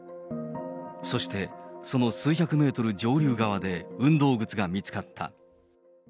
そして、その数百メートル上流側で運動靴が見つかった。